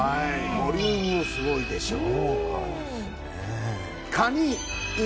ボリュームもすごいでしょう？